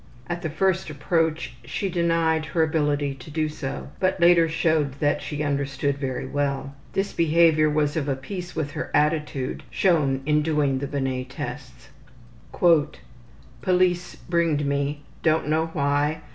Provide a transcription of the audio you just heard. At the first approach she denied her ability to do so, but later showed that she understood very well. This behavior was of a piece with her attitude shown in doing the Binet tests. ``Police bringed me. Don't know why.